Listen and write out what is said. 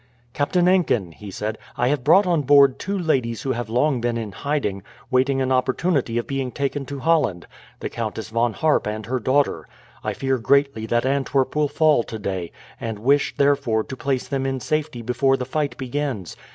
"Captain Enkin," he said, "I have brought on board two ladies who have long been in hiding, waiting an opportunity of being taken to Holland the Countess Von Harp and her daughter. I fear greatly that Antwerp will fall today, and wish, therefore, to place them in safety before the fight begins.